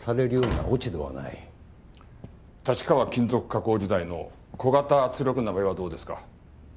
立川金属加工時代の小型圧力鍋はどうですか？